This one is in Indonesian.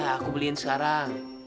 aku beliin sekarang